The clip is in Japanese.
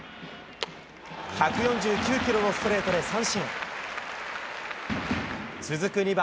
１４９キロのストレートで三振。